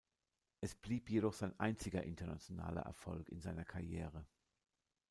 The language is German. Es blieb jedoch sein einziger internationaler Erfolg in seiner Karriere.